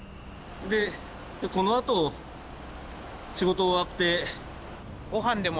でこのあと仕事終わって。